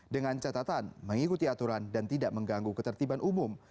dengan catatan mengikuti aturan dan tidak mengganggu ketertiban umum